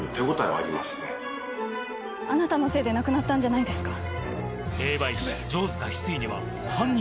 あなたのせいで亡くなったんじゃないですか？